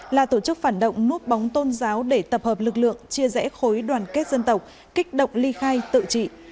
là tổ chức phản động núp bóng tôn giáo để tập hợp lực lượng chia rẽ khối đoàn kết dân tộc kích động ly khai tự trị